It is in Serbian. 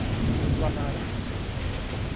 У два дана?